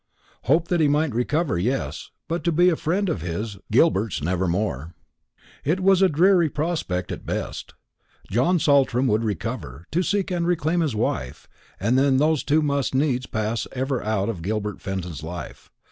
Hope that he might recover, yes; but to be a friend of his, Gilbert's, never more. It was a dreary prospect at best. John Saltram would recover, to seek and reclaim his wife, and then those two must needs pass for ever out of Gilbert Fenton's life.